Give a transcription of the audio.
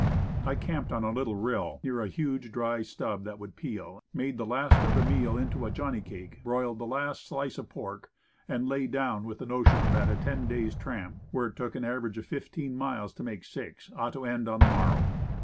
I camped on a little rill, near a huge dry stub that would peel, made the last of the meal into a johnny cake, broiled the last slice of pork, and laid down with the notion that a ten days' tramp, where it took an average of fifteen miles to make six, ought to end on the morrow.